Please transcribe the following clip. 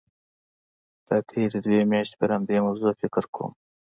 دا تېرې دوه میاشتې پر همدې موضوع فکر کوم.